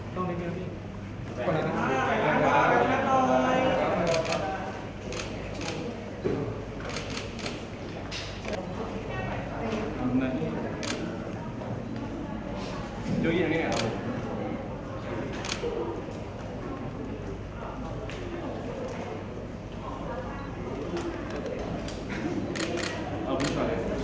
ก็ไม่รู้สึกว่ามันเป็นแบบที่สุดแต่ก็ไม่รู้สึก